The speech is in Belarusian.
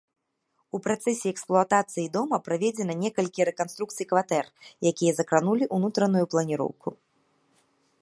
У працэсе эксплуатацыі дома праведзена некалькі рэканструкцый кватэр, якія закранулі ўнутраную планіроўку.